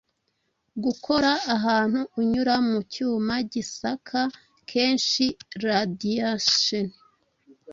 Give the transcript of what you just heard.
gukora ahantu unyura mu cyuma gisaka kenshi radiation